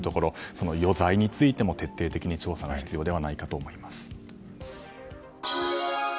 その余罪についても徹底的に調査が必要ではないかと思います。